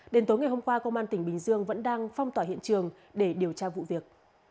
đến tối ngày hôm qua công an tỉnh bình dương vẫn đang phong tỏa hiện trường để điều tra vụ việc